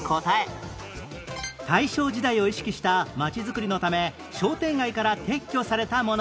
大正時代を意識した街づくりのため商店街から撤去されたもの